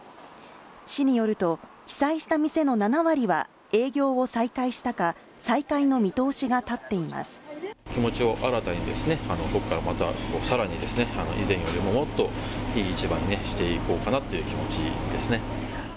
市によると、被災した店の７割は営業を再開したか、再開の見通しが立っていま気持ちを新たに、ここからまたさらにですね、以前よりももっといい市場にしていこうかなという気持ちですね。